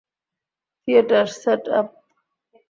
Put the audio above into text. Theatre set up?